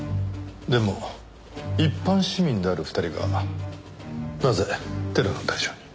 でも一般市民である２人がなぜテロの対象に？